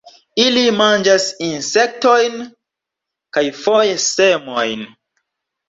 Ili manĝas insektojn kaj foje semojn.